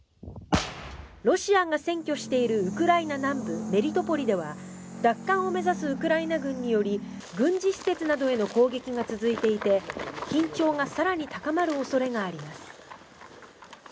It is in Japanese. ロシアが占拠しているウクライナ南部メリトポリでは奪還を目指すウクライナ軍により軍事施設などへの攻撃が続いていて緊張が更に高まる恐れがあります。